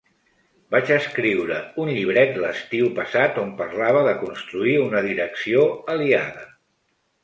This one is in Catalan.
Vaig escriure un llibret l’estiu passat on parlava de construir una direcció aliada.